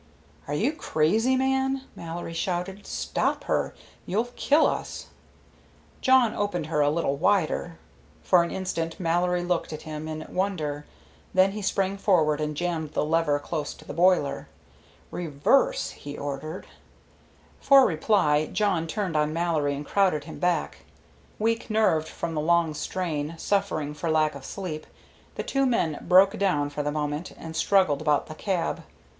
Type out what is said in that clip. "Are you crazy, man!" Mallory shouted. "Stop her! You'll kill us!" Jawn opened her a little wider. For an instant Mallory looked at him in wonder, then he sprang forward and jammed the lever close to the boiler. "Reverse!" he ordered. For reply Jawn turned on Mallory and crowded him back. Weak nerved from the long strain, suffering for lack of sleep, the two men broke down for the moment, and struggled about the cab.